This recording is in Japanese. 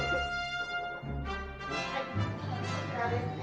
はいこちらですね。